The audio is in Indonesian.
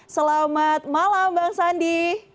selamat malam bang sandi